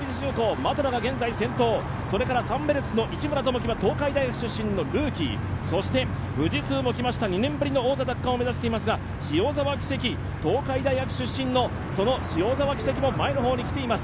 的野が現在先頭、サンベルクスの市村朋樹は東海大学出身のルーキー富士通も来ました、２年ぶりの王座奪還を目指していますが、塩澤稀夕、東海大学出身の塩澤稀夕も前の方に来ています。